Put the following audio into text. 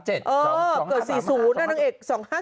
เออเกิด๔๐นั่งเอก๒๕๔๐